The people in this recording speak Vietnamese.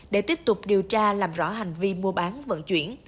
để tiếp tục điều tra làm rõ hành vi mua bán vận chuyển